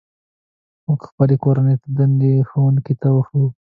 موږ خپلې کورنۍ دندې ښوونکي ته ښيو.